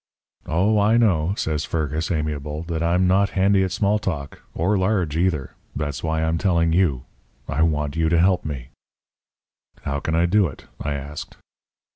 "'Oh, I know,' says Fergus, amiable, 'that I'm not handy at small talk. Or large, either. That's why I'm telling you. I want you to help me.' "'How can I do it?' I asked.